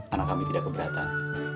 anak kami tidak keberatan